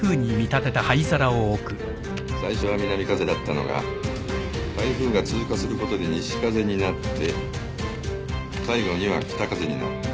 最初は南風だったのが台風が通過することで西風になって最後には北風になる。